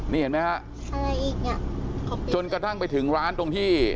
นี่เห็นไหมจนกระทั่งจะถึงร้านที่